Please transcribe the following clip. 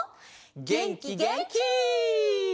げんきげんき！